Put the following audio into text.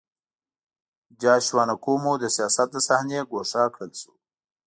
جاشوا نکومو د سیاست له صحنې ګوښه کړل شو.